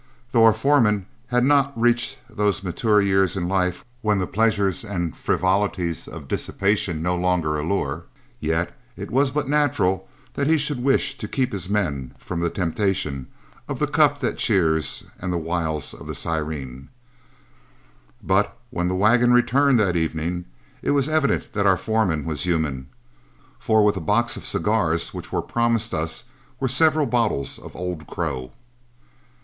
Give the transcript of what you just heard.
Though our foreman had not reached those mature years in life when the pleasures and frivolities of dissipation no longer allure, yet it was but natural that he should wish to keep his men from the temptation of the cup that cheers and the wiles of the siren. But when the wagon returned that evening, it was evident that our foreman was human, for with a box of cigars which were promised us were several bottles of Old Crow.